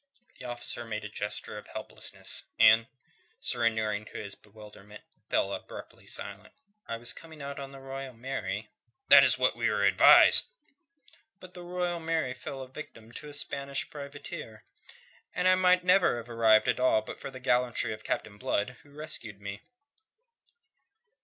The officer made a gesture of helplessness, and, surrendering to his bewilderment, fell abruptly silent. "I was coming out on the Royal Mary...." "That is what we were advised." "But the Royal Mary fell a victim to a Spanish privateer, and I might never have arrived at all but for the gallantry of Captain Blood, who rescued me."